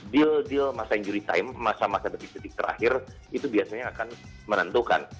deal deal masa injury time masa masa detik detik terakhir itu biasanya akan menentukan